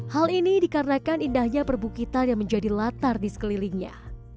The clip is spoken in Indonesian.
hal ini dikarenakan indahnya perbukitan yang menjadi latar di sekelilingnya